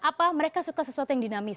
apa mereka suka sesuatu yang dinamis